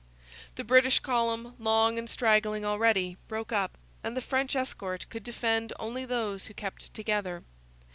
The British column, long and straggling already, broke up, and the French escort could defend only those who kept together.